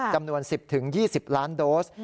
จำนวน๑๐๒๐ล้านโดส